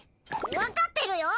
わかってるよ！